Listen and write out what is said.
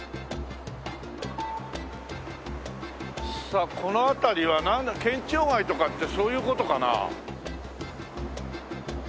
さあこの辺りは県庁街とかってそういう事かな？